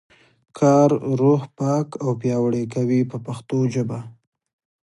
کار روح پاک او پیاوړی کوي په پښتو ژبه.